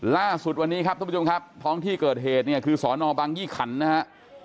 ล่าสุดวันนี้ครับท่านผู้ชมครับท้องที่เกิดเหตุเนี่ยคือสอนอบังยี่ขันนะฮะ